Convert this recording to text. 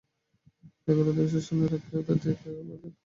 রায়গড়ে অধিকাংশ সৈন্য রাখিয়া উদয়াদিত্যকে লইয়া তৎক্ষণাৎ যশােহরে যাত্রা করিল।